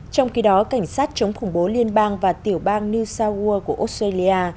trong khi đó cảnh sát chống khủng bố liên bang và tiểu bang new south wal của australia